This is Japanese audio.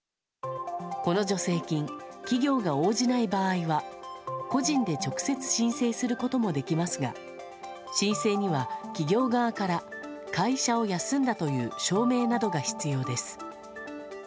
この助成金、企業が応じない場合は、個人で直接申請することもできますが、申請には、企業側から会社を休んだという証明などが必要です。